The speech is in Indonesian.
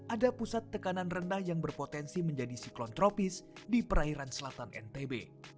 ada pusat tekanan rendah yang berpotensi menjadi siklon tropis di perairan selatan ntb